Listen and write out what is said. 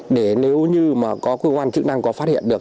để nếu như mà có cơ quan chức năng có phát hiện được